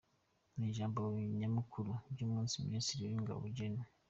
Mu ijambo nyamukuru ry’umunsi na Minisitiri w’ingabo Gen.